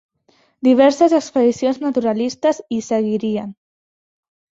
Diverses expedicions naturalistes hi seguirien.